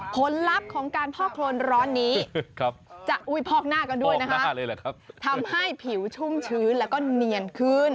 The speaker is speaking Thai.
ผลลัพธ์ของการพอกโครนร้อนนี้จะอุ้ยพอกหน้ากันด้วยนะคะทำให้ผิวชุ่มชื้นแล้วก็เนียนขึ้น